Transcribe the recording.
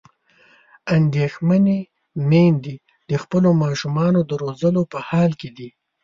اندېښمنې میندې د خپلو ماشومانو د روزلو په حال کې دي.